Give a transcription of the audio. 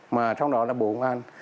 mà trong đó là bố ngăn